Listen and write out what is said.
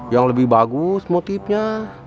yang lebih bagus motifnya